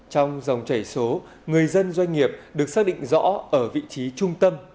trong dòng chảy số người dân doanh nghiệp được xác định rõ ở vị trí trung tâm